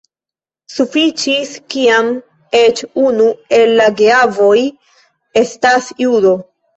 Sufiĉis kiam eĉ unu el la geavoj estas judo.